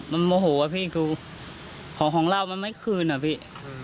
มันโมโหอะพี่คือของของเรามันไม่คืนอ่ะพี่